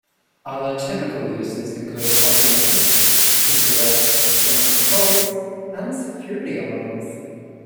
Other typical uses include coffee makers, infrared remote controls, and security alarms.